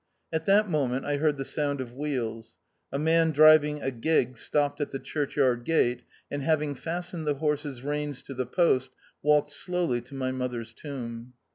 At that moment I heard the sound of wheels. A man driving a gig stopped at the churchyard gate, and having fastened the horses' reins to the post, walked slowly to my mother's tomb.